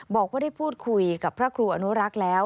บอกว่าได้พูดคุยกับพระครูอนุรักษ์แล้ว